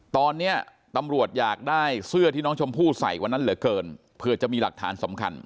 ตอนนี้ตำรวจอยากได้เสื้อที่น้องชมพู่ใส่วันนั้นเหลือเกินเผื่อจะมีหลักฐานสำคัญ